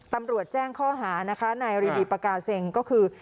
ตำรวจแจ้งข้อหาในรีวิปการ์เซงก็คือ